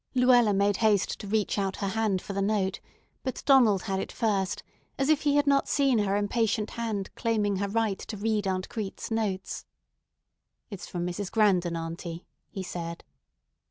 Luella made haste to reach out her hand for the note, but Donald had it first, as if he had not seen her impatient hand claiming her right to read Aunt Crete's notes. "It's from Mrs. Grandon, auntie," he said.